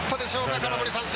空振り三振。